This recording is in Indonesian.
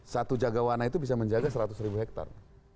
satu jaga warna itu bisa menjaga seratus ribu hektar